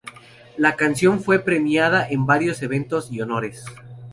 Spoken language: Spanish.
La canción fue premiada en varios eventos y honores.